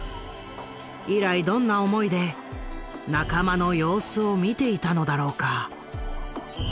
以来どんな思いで仲間の様子を見ていたのだろうか。